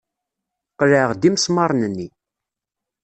Qelɛeɣ-d imesmaṛen-nni.